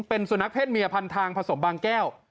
เป็นสุนัขเศษเมียพันทางผสมบางแก้ว